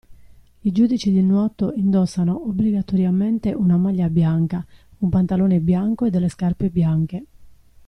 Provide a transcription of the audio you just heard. I giudici di nuoto indossano obbligatoriamente una maglia bianca, un pantalone bianco e delle scarpe bianche.